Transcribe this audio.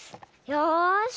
よし。